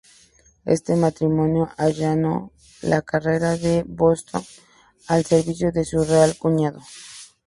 Este matrimonio allanó la carrera de Bosón al servicio de su real cuñado.